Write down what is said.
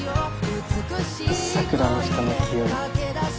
桜の下の清居。